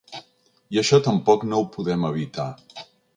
I això tampoc no ho podem evitar.